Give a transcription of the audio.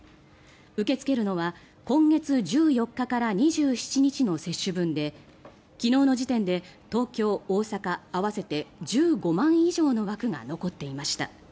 受け付けるのは今月１４日から２７日の接種分で昨日の時点で東京、大阪合わせて１５万以上の枠が残っていました。